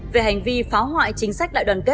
về hành vi phá hoại tình trạng của y greg buôn giá